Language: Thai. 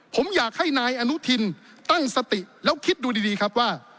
ผมอยากให้นายอนุทินตั้งสติแล้วคิดดูดีครับว่า